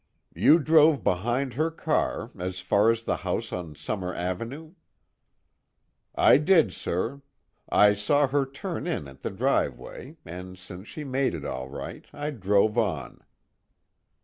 "You drove behind her car, as far as the house on Summer Avenue?" "I did, sir. I saw her turn in at the driveway, and since she made it all right, I drove on."